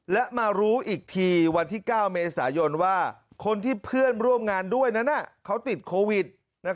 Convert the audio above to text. และมารู้อีกทีวันที่๙เมษายนว่าคนที่เพื่อนร่วมงานด้วยนั้นเขาติดโควิด